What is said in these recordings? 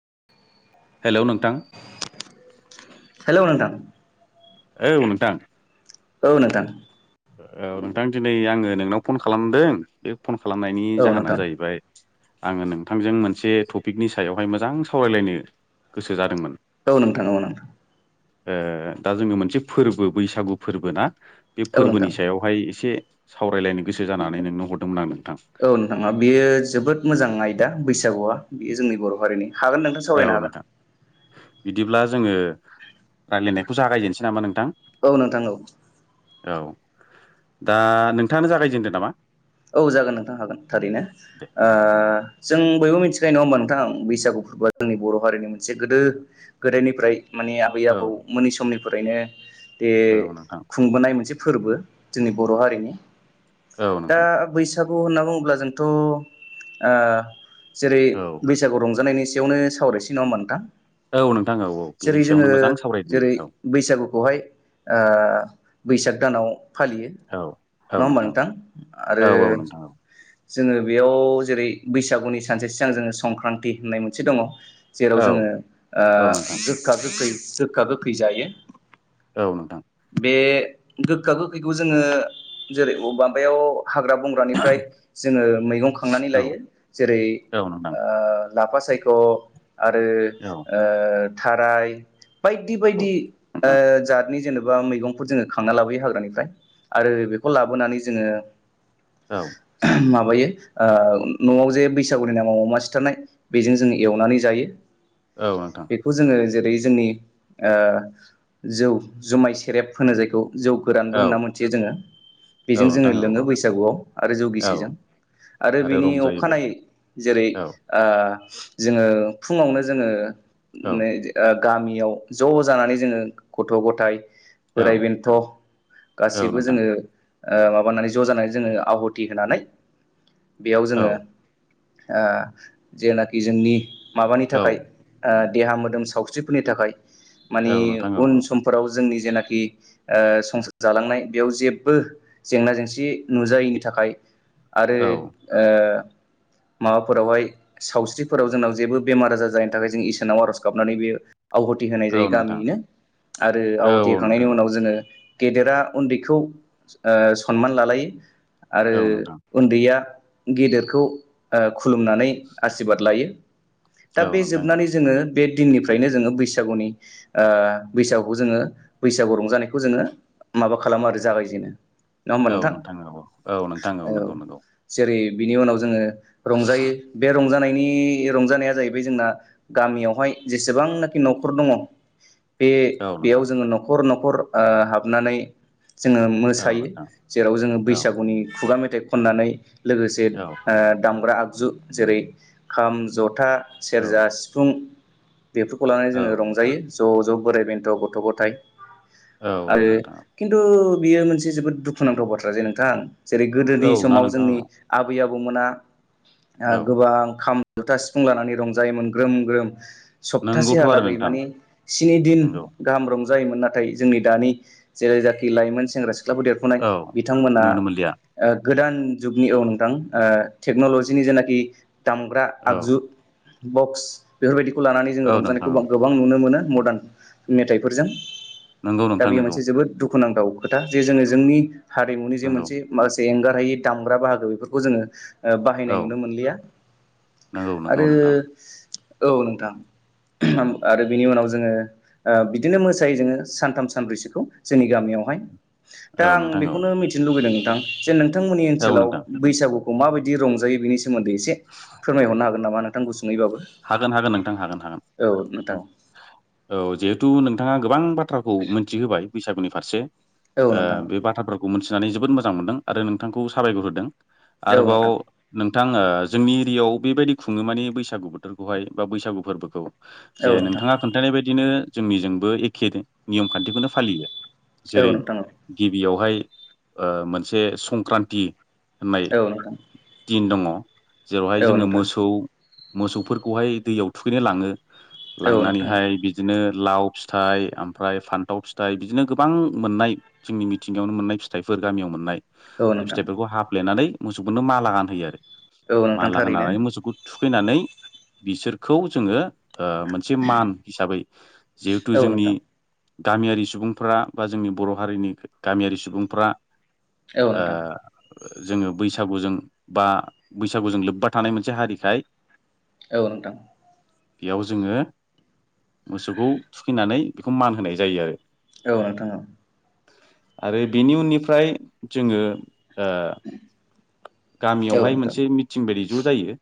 [inaudible] हेल' नोंथां? हेलौ नोंथां औ नोंथां। औ नोंथां। औ नोंथां दिनै आङो नोंनाव फन खालामदों बे फन खालामनायनि औ जाहोना नोंथां जायैबाय आङो नोंथांजों मोनसे टपिकनि सायावहाय मोजां सावरायलायनो गोसो जादोंमोन। औ नोंथां औ नोंथां। ओ दा जोङो मोनसे फोरबो बैसागु फोरबो ना बे औ नोंथां फोरबोनि सायावहाय एसे सावरायलायनो गोसो जानानै नोंनो हरदोंमोन आंङो। औ नोंथाङा बेयो जोबोद मोजां आयदा बैसागुआ बेयो जोंनि बर' हारिनि हागोन नोंथां औ सावरायनो हागोन। नोंथां बिदिब्ला जोङो रायलायनायखौ जागायजेनसै नामा नों औ नोंथां औ। औ दा नोंथाङानो जागायजेनदो नामा? औ जागोन नोंथां हागोन थारैनो दे ओ जों बयबो मिथि खायो नङा होमबा नोंथां बैसागु फोरबोआ जोंनि बर' हारिनि मोनसे गोदो गोदायनिफ्राय माने आबै औ आबौ मोननि समनिफ्रायनो बे औ नोंथां खुंबोनाय मोनसे फोर्बो जोंनि बर' हारिनि औ दा नोंथां बैसागु होनना बुङोब्ला जोंथ' ओ जेरै औ बैसागु रंजानायनि सायावनो सावरायसै नङा होनबा नोंथां? औ नोंथां औ औ बिनि जेरै जोङो सायावनो मोजां सावरायदिनि जेरै औ बैसागुखौहाय ओ बैसाग दानाव फालियो औ नङा होमबा नोंथां? आरो औ औ नोंथां औ। जोङो बेयाव जेरै बैसागुनि सानसे सिगां जोङो संक्रान्ति होननाय मोनसे दङ' जेराव औ जोङो ओ औ नोंथां गोखा गोखै गोखा गोखै जायो। औ नोंथां। बे गोखा गोखैखौ जोङो जेरै माबायाव हाग्रा बंग्रानिफ्राय जोङो मैगं खांनानै औ लायो जेरै औ नोंथां ओ लाफा सायख' आरो औ ओ थाराय बायदि औ बायदि ओ नोंथां जातनि गोबां मैगंखौ जोङो खांना लाबोयो हाग्रानिफ्राय आरो बेखौ लाबोनानै जोङो औ मा बायो ओ न'आव जे बैसागुनि नामाव अमा सिथारनाय बेजों जों एवनानै जायो। औ नोंथां बेखौ जोङो जेरै जोंनि ओ जौ जुमाय सेरेब होनो जायखौ जौ औ गोरानबो होनना मोन्थियो जोङो बेजों नोंथां जोङो औ लोङो बैसागुआव आरो औ औ जौगिसिजों आरो बिनि अखानायै जेरै औ ओ जोङो फुङावनो जोङो औ नै ओ गामियाव ज' जानानै जोङो गथ' ग'थाय औ बोराइ बेन्थ' औ गासैबो नोंथां जोङो ओ माबानानै ज' जानानै जोङो आहुथि होनानै बेयाव औ जोङो ओ जेनाखि जोंनि माबानि औ थाखाय ओ देहा मोदोम सावस्रिफोरनि थाखाय मानिे औ नोंथां औ उन समफोराव जोंनि जेनाखि ओ संसार जालांनाय बेयाव जेबो जेंना जेंसि नुजायैनि थाखाय खाय आरो औ ओ माबाफोरावहाय सावस्रिफोराव जोंनाव जेबो बेमार आजार जानायैनि थाखाय जों इसोरानाव आर'ज गाबनानै बेयो आवाथि होनाय औ औ जायो नोंथां गामियैनो आरो औ औ आवाथि होखांनायनि नोंथां उनाव जोङो गेदेरा उन्दैखौ सनमान ओ लालायो आरो औ नोंथां उन्दैया गेदेरखौ ओ खुलुमनानै आसिरबाद लायो। दा औ बे नोंथां जोबनानै जोङो बे दिननिफ्रायनो जोङो बैसागुनि ओ बैसागु खौ जोङो बैसागु रंजानायखौ जोङो माबा खालामो आरो जागायजेनो। नङा होमबा औ नोंथां? औ औ नोंथां औ नंगौ नंगौ जेरै बिनि उनाव जोङो रंजायो बे रंजानाय नि रंजानाया जाहैबाय जोंना गामियावहाय जेसेबांनाखि न'खर दङ बे औ बेयाव नोंथां जोङो न'खर न'खर ओ हाबनानै जोङो औ मोसायो नोंथां जेराव जोङो औ बैसागुनि खुगा मेथाइ खननानै लोगोसे ओ दामग्रा आगजु जेरै खाम जथा औ सेरजा सिफुं बेफोरखौ लानानै जोङो नोंथां रंजायो ज' ज' बोराइ बेन्थ' गथ' गथाय औ आरो नोंथां खिन्थु बियो मोनसे जोबोद दुखुनांथाव बाथ्रा जे नोंथां जेरै गोदोनि औ ना समाव नोंथां जोंनि आबै आबौमोना औ औ गोबां आ खाम जुथा सिफुं लानानै रंजायोमोन ग्रोम ग्रोम नोंगौथ' आरो सप्तासेहालागै नोंथां माने स्नि दिन नोंगौ खामब्रोम रंजायोमोन नाथाय जोंनि दानि जेरै जखि लाइमोन सेंग्रा सि सिख्लाफोर देरख'नाय औ बिथांमोना नुनो मोनलिया ओ गोदान जुगनियाव औ नोंथां ओ टेक्न'लजिनि जेनाखि दामग्रा औ आगजु बक्स बेफोरबायदिखौ लानानै औ जोङो नोंथां रंजानायखौ औ गोबां नुनो मोनो मदार्न मेथाइफोरजों नोंगौ दा नोंथां बेयो नोंगौ मोनसे जोबोद दुखुनांथाव खोथा जे जोङो जोंनि हारिमुनि जे नोंगौ मोनसे माखासे एंगार हायै दामग्रा बाहागो बेफोरखौ जोङो ओ बाहायनाय औ नुनो मोनलिया। नोंगौ नोंगौ आरो नोंथां औ नोंथां आरो बिनि उनाव जोङो ओ बिदिनो मोसायो जोङो सानथाम सानब्रैसोखौ जोंनि गामियावहाय। दा औ आं नोंथां औ बेखौनो मिथिनो लुबैदों नोंथां जे नोंथांमोननि औ ओनसोलाव नोंथां बैसागु खौ माबायदि रंजायो बिनि सोन्दै एसे फोरमायहरनो हागोन नामा नोंथांखौ गुसुं हागोन हागोन नोंथां हागोन हागोन। औ नोंथां औ जिहे तु नोंथाङा गोबां बाथ्राखौ मोनथि होबाय बैसागुनि फारसे औ ओ नोंथां बे बाथ्राफोरखौ मोनथिनानै जोबोद मोजां मोनदों आरो नोंथांखौ साबायखर होदों औ आरोबाव नोंथां नों थां ओ जोंनि एरियायाव बेबायदि खुङो माने बैसागु बोथोरखौहाय बा बैसागु फोरबोखौ औ जे नोंथां नोंथाङा खोन्थानाय बायदिनो जोंनिजोंबो एखे नियम खान्थिखौनो फालियो। औ जेरै नोंथां गिबियावहाय ओ मोनसे संक्रान्ति होननाय औ नोंथां दिन दङ जेरावहाय जोङो नोंथां मोसौ मोसौफोरखौहाय दैयाव थुखैनो लाङो औ नोंथां लांनानैहाय बिदिनो लाव फिथाइ ओमफ्राय फान्थाव फिथाइ बिदिनो गोबां मोननाय जोंनि मिथिंगायावनो मोननाय फिथाइफोर गामियाव मोननाय औ बे नोंथां फिथाइफोरखौ हाफ्लेनानै मोसौफोरनो माला गानहोयो आरो। औ नोंथां माला थारैनो गनानै मोसौखौ थुखैनानै बिसोरखौ जोङो ओ मोनसे मान हिसाबै जिहेथु औ जोंनि नोंथां गामियारि सुबुंफ्रा बा जोंनि बर' हारिनि गामियारि सुबुंफ्रा औ ओ नोंथां जोङो बैसागुजों बा बैसागुजों लोब्बा थानाय मोनसे हारिखाय औ नोंथां बेयाव जोङो मोसौखौ थुखैनानै बेखौ मान होनाय जायो आरो औ नोंथां औ। आरो बेनि उननिफ्राय जोङो ओ औ गामियावहाय नोंथां मोनसे मिटिं बायदि ज' जायो।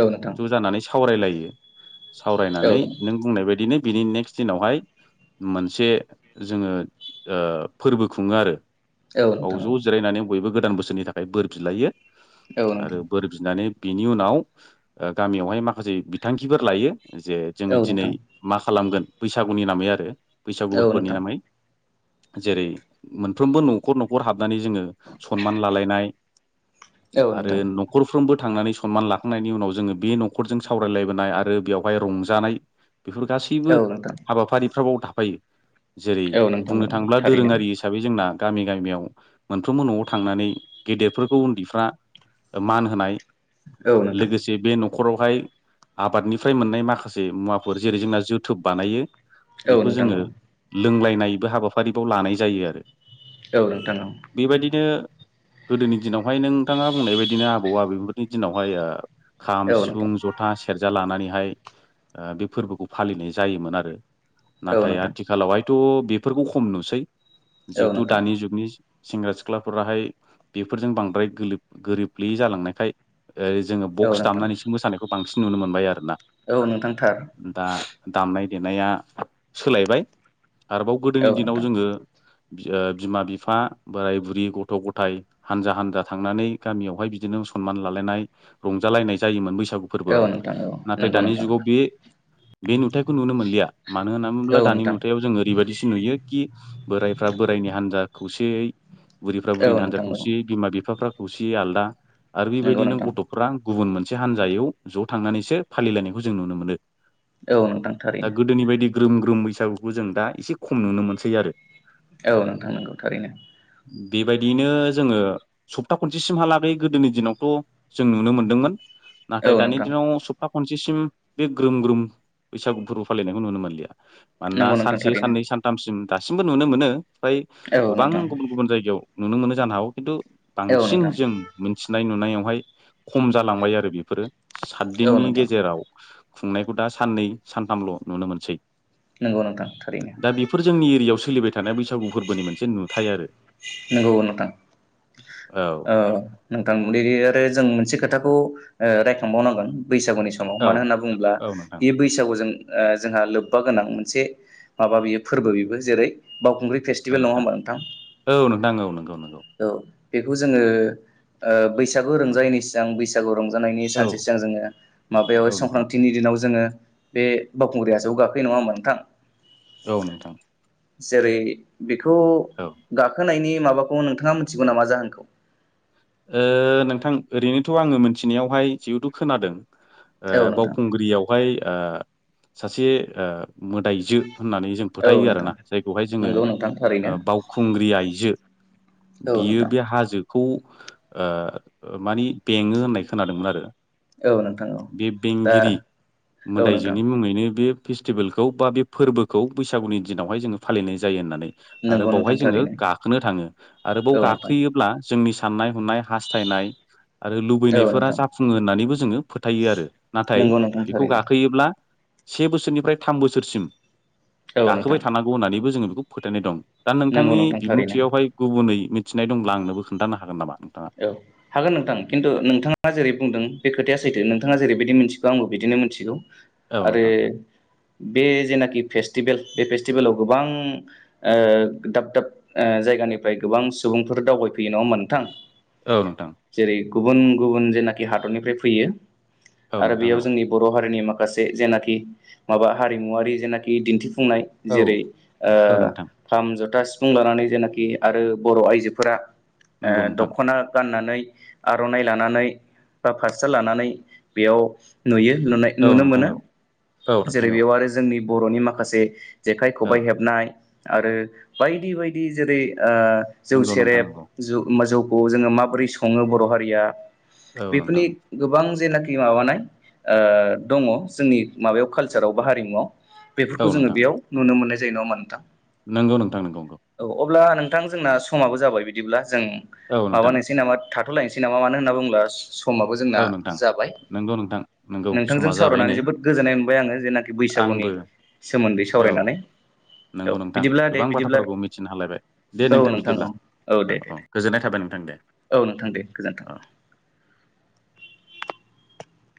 औ नोंथां नै सावरायलायो औ सावरायनानै नों बुंनाय बायदिनो बिनि नेक्स्ट दिनावहाय मोनसे जोङो ओ फोर्बो खुङो आरो। औ बाव नोंथां औ ज' जिरायनानै बयबो गोदान बोसोरनि थाखाय बोर बिलायो। नोंथां औ आरो नोंथां बोर बिनानै बिनि उनाव ओ गामियावहाय माखासे बिथांखिफोर लायो जे जोङो औ दिनै नोंथां मा खालामगोन बैसागुनि नामै आरो बैसागु औ फोर्फोनि नोंथां नामै। जेरै मोनफ्रोमबो नख'र नख'र हाब नानै जोङो सनमान लालायनाय औ आरो नख'रफ्रोमबो थांनानै सनमान लाखांनायनि उनाव जोङो बे नख'रजों सावरायलायबोनाय आरो बेयावहाय रंजानाय बेफोर गासैबो नोंथां हाबाफारिफ्राबाव थाफायो। जेरै औ नोंथां औ बुंनो थाङोब्ला थारैनो दोरोङारि हिसाबै जोंना गामि गामियाव मोनफ्रोमबो न'आव थांनानै गेदेरफोरखौ उन्दैफ्रा मान होनाय औ नोंथां। लोगोसे बे नख'रावहाय आबादनिफ्राय मोननाय माखासे मुवाफोर जेरै जोंना जोथोब बानायो। औ बेखौ नोंथां जोङो औ। लोंलायनायबो हाबाफारिबाव लानाय जायो आरो। बेबायदिनो गोदोनि दिनावहाय नोंथाङा बुंनाय बायदिनो आबौ आबैफोरनि दिनावहाय ओ खाम, सिफुं, जथा, सेरजा लानानैहाय ओ बे फोर्बोखौ फालिनाय जायोमोन आरो। औ नाथाय नोंथां आथिखालावहायथ' बेफोरखौ खम नुसै। जिहेथु दानि जुगनि सेंग्रा सिख्लाफोराहाय बेफोरजों बांद्राय गोलिब गोरिबफ्लेयि जालांनायखाय ओरै जोङो औ बक्स दामनानैसो मोसानायखौ बांसिन नुनो मोनबाय आरोना। नोंथां औ नोंथां थार दा दामनाय देनाया सोलायबाय। आरोबाव औ गोदोनि दिनाव नोंथां जोङो ओ बिमा बिफा बोराय बुरि गथ' गथाय हानजा हानजा थांनानै गामियावहाय बिदिनो सनमान लालायनाय रंजालायनाय जायोमोन बैसागु औ फोर्बोआव। नोंथां औ नाथाय नंगौ दानि नोंथां जुगाव बे बे नुथायखौ नुनो मोनलिया। मानो होनना औ बुङोब्ला दानि नोंथां नुथायाव जोङो ओरैबायदिसो नुयो कि बोरायफ्रा बोरायनि हान्जा खौसेयै बुरैफ्रा औ बुरैनि हान्जा नोंथां औ खौसेयै बिमा बिफाफ्रा खौसेयै आलदा आरो नंगौ बेबायदिनो नोंथां गथ'फ्रा गुबुन मोनसे हानजायाव ज' थांनानैसो फालिलायनायखौ जों नुनो मोनो। औ नोंथां दा थारैनो। गोदोनि बायदि ग्रोम ग्रोम बैसागुखौ जों दा एसे खम नुनो मोनसै आरो। औ नोंथां नोंगौ थारैनो। बेबायदियैनो जोङो सप्ता खनसेसिमहालागै गोदोनि दिनावथ' जों नुनो मोनदोंमोन। नाथाय औ दानि नोंथां दिनाव सप्ता खन सेसिम बे ग्रोम ग्रोम बैसागु फोर्बो फालिनायखौ नुनो मोनलिया। मानोना नंगौ नोंथां सानसे थारैनो साननै सान्थामसिम दासिमबो नुनो मोनो। फ्राय औ गोबां नोंथां गुबुन गुबुन जायगायाव नुनो मोनो जानो हागौ खिन्थु औ बांसिन नोंथां जों मोन्थिनाय नुनायावहाय खम जालांबाय आरो बेफोरो। औ सातदिननि नोंथां गेजेराव खुंनायखौ दा सान्नै सान्थामल' नुनो मोनसै। नंगौ नोंथां थारैनो दा बेफोर जोंनि एरियायाव सोलिबाय थानाय बैसागु फोर्बोनि मोनसे नुथाय आरो। नोंगौ नोंथां। औ ओ नोंथां रिरियारे जों मोनसे खोथाखौ रायखांबावनांगोन बैसागुनि समाव। औ मानो होनना बुङोब्ला औ नोंथां बे बैसागुजों ओ जोंहा लोब्बा गोनां मोनसे माबा बियो फोर्बो बेबो। जेरै बावखुंग्रि फेस्टिभेल नङा होमबा नोंथां? औ नोंथां औ नंगौ नंगौ औ बेखौ जोङो ओ बैसागु रंजायैनि सिगां बैसागु रंजा नायनि औ सानसे सिगां जोङो माबायाव औ नोंथां संक्रान्तिनि दिनाव जोङो बे बावखुंग्रिया ज गाखोयो नङा होमबा नोंथां? औ नोंथां। जेरै बेखौ औ ओ गाखोनायनि माबाखौ नोंथाङा मिथिगौ नामा जाहोनखौ? ओ नोंथां ओरैनोथ आङो मोनथिनायावहाय जिहेथु खोनादों आ औ नोंथां बावखुंग्रियावहाय आ सासे मोदायजो होननानै जों औ फोथायो नोंथां आरोना जायखौहाय जोङो नंगौ नोंथां थारैनो बावखुंग्रि आइजो औ बियो नोंथां बे हाजोखौ ओ मानि बेङो होननाय खोनादोंमोन आरो। औ नोंथां औ बे दा बेंगिरि औ नोंथां मोदायजोनि मुङैनो बे फेस्टिभेलखौ बा बे फोरबोखौ बैसागुनि दिनावहाय जोङो फालिनाय जायो होन्नानै आरो नंगौ बावहाय नोंथां जोङो थारैनो गाखोनो थाङो आरो बेयाव औ नोंथां गाखोयोब्ला जोंनि साननाय हनाय हास्थायनाय आरो औ लुबैनायफोरा नोंथां जाफुङो होननानैबो जोङो फोथायो आरो नाथाय नंगौ नोंथां बेखौ थारैनो गाखोयोब्ला से बोसोरनिफ्राय थाम बोसोरसिम औ नोंथां गाखोबाय थानांगौ होननानैबो जोङो बेखौ फोथायनाय दं। दा नंगौ नोंथांनि नोंथां थारैनो बिबुंथियावहाय गुबुनै मिथिनाय दंब्ला आंनोबो खोन्थानो हागोन नामा? नोंथाङा औ हागोन नोंथां खिन्थु नोंथाङा जेरै बुंदों बे खोथाया सैथो नोंथाङा जेरैबायदि आंबो बिदिनो मोनथिगौ औ आरो नोंथां बे जेनाखि फेस स्टिभेल बे फेस्टिभेलाव गोबां दाब दाब जायगानिफ्राय गोबां सुबुंफोर दावबायफैयो नङा होनबा नोंथां? औ नोंथां जेरै गुबुन गुबुन जेनाखि हादरनिफ्राय फैयो औ आरो नोंथां बेयाव औ जोंनि बर' हारिनि माखासे जेनाखि माबा हारिमुवारि जेनाखि दिन्थिफुं फुंनाय औ जेरै औ नोंथां खाम जथा सिफुं फुं लानानै जेनाखि आरो बर आइजोफोरा नंगौ नोंथां। ना गाननानै आरनाइ लानानै बा फास्रा लानानै बेयाव नुयो नुनाय औ नुनो नोंथां मोनो औ औ जेरै नोंथां औ बेयाव आरो जोंनि बरनि माखासे जेखाइ औ खबाइ हेबनाय आरो बायदि बायदि जेरै ओ जौ नंगौ नोंथां सेरेब नंगौ जौ जौखौ जोङो माबोरै सङो बर हारिया औ बेफोरनि नोंथां गोबां जेनाखि माबानाय आ दङ जोंनि माबायाव कालसाराव बा हारिमुवआव औ बेफोरखौ जोङो नोंथां बेयाव नुनो मोननाय जायो नङा होनबा नोंथां। नंगौ नोंथां नोंगौ। औ अब्ला नोंथां जोंना समाबो जाबाय बिदिब्ला जों औ नोंथां माबानोसै नामा। थाथ लायनोसै नामा मानो होनना बुंब्ला स समाबो जोंना औ नोंथां जाबाय नंगौ नोंथां नंगौ समा नोंथांजों जाबाय सावरायनानै नै जोबोद गोजोननाय मोनबाय आङो। जेनाखि बैसागुनि आंबो सोमोन्दै सावरायनानै नोंगौ औ नोंथां बिदिब्ला दे गोबां बिदिब्ला बाथ्राफोरखौ मिथिनो हालायबाय दे औ नोंथां औ बिदिब्ला दे औ दे औ दे गोजोननाय थाबाय नोंथां दे। औ नोंथां दे गोजोन्थों। औ